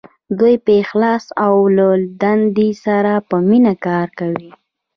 دوی په اخلاص او له دندې سره په مینه کار کوي.